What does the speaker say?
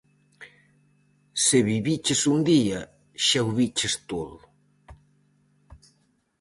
Se viviches un día, xa o viches todo.